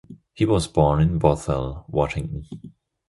He was born in Bothell, Washington.